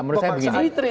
menurut saya begini